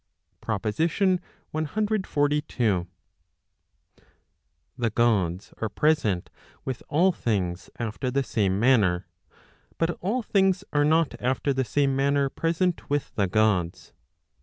PROPOSITION CXLII. The Gods are present with all things after the same manner, but all things are not after the same manner present with the Gods.